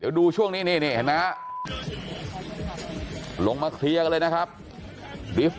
เดี๋ยวดูช่วงนี้นี่ลงมาเคลียร์กันเลยนะครับ